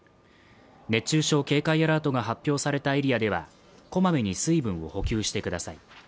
熱中症警戒アラートが発表されたエリアではこまめに水分を補給してください。